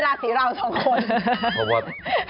ราศีเราสองคน